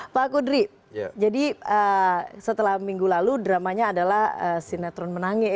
pak kudri jadi setelah minggu lalu dramanya adalah sinetron menangis